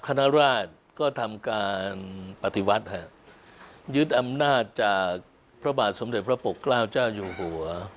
คณะราชก็ทำการปฏิวัติฮะยึดอำนาจจากพระบาทสมเด็จพระปกเกล้าเจ้าอยู่หัว